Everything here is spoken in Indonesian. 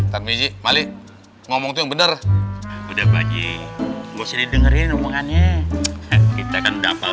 tan biji malik ngomong tuh yang bener udah baji gue sendiri dengerin omongannya kita kan dapet